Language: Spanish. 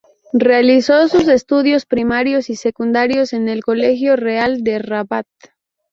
Realizó sus estudios primarios y secundarios en el Colegio Real de Rabat.